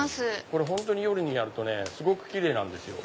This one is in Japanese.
これ本当夜にやるとねすごくキレイなんですよ。